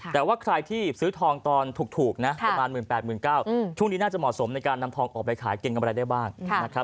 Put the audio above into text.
แต่ว่าใครที่ซื้อทองตอนถูกนะประมาณ๑๘๙๐๐ช่วงนี้น่าจะเหมาะสมในการนำทองออกไปขายเก่งกำไรได้บ้างนะครับ